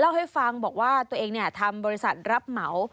เล่าให้ฟังบอกว่าตัวเองทำบริษัทรับเหมา